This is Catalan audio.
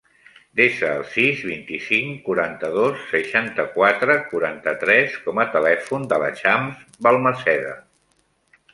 Desa el sis, vint-i-cinc, quaranta-dos, seixanta-quatre, quaranta-tres com a telèfon de la Chams Balmaseda.